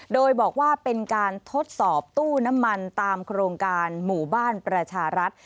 โดยบอกว่าเป็นการทดสอบตู้น้ำมันตามโครงการหมู่บ้านประชารัฐ